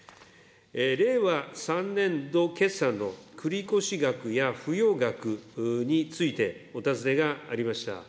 令和３年度決算の繰越額や不用額についてお尋ねがありました。